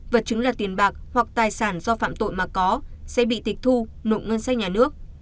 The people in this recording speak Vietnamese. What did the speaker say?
vật chứng là tiền bạc hoặc tài sản do phạm tội mà có sẽ bị tịch thu nộp ngân sách nhà nước